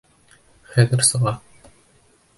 Хәҙер сыға!